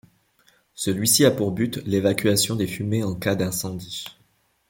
Celui-ci a pour but l'évacuation des fumées en cas d'incendie.